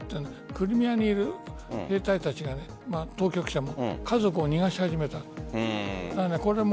クリミアにいる兵隊たちが当局者も家族を逃し始めたと。